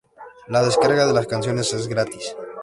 La descarga de las canciones es gratis.